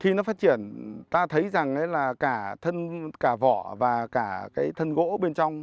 khi nó phát triển ta thấy rằng ấy là cả vỏ và cả cái thân gỗ bên trong